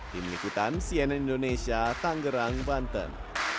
tim liputan cnn indonesia tanggerang banten